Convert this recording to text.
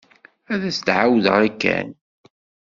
Ad as-d-ɛawdeɣ i Ken?